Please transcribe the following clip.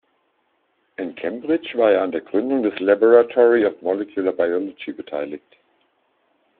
In Cambridge war er an der Gründung des „Laboratory of Molecular Biology“ beteiligt.